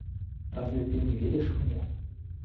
Разве ты не веришь мне?